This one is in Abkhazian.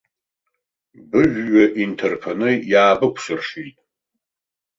Быжәҩа инҭарԥаны иаабыкәсыршеит.